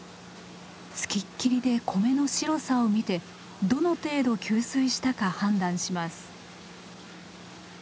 付きっきりで米の白さを見てどの程度吸水したか判断します。